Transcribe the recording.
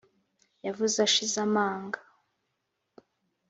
yavuze ashize amanga